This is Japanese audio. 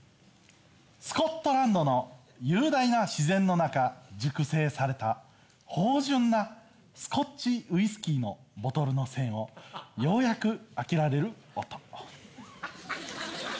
スコットランドの雄大な自然の中熟成された芳醇なスコッチウイスキーのボトルの栓をようやく開けられる音。